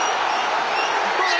どうだ